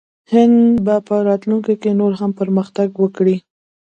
هند به په راتلونکي کې نور هم پرمختګ وکړي.